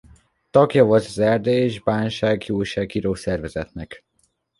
Tagja volt az Erdélyi és Bánsági Újságíró Szervezetnek.